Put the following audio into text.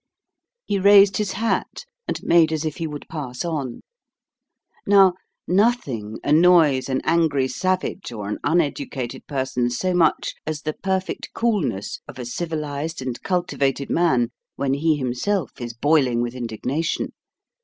He raised his hat, and made as if he would pass on. Now, nothing annoys an angry savage or an uneducated person so much as the perfect coolness of a civilised and cultivated man when he himself is boiling with indignation.